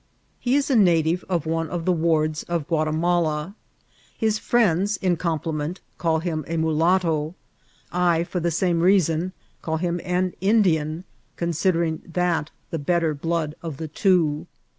He is a native of one of the wards of Guatimala. His friends, in compliment, call him a mulatto ; I, for the same reason, call him an Indian, considering that THB CHOLBKA. 885 the hettef blood of the two.